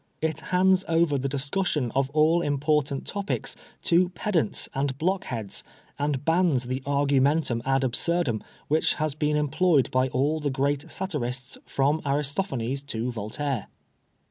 It hands over the discussion of all important topics to pedants and block heads, and bans the argumentum ad abswrdum which has been employed by all the great satirists from Aris tophanes to Voltaire.